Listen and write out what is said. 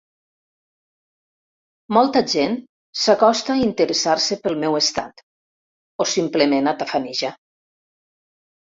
Molta gent s'acosta a interessar-se pel meu estat, o simplement a tafanejar.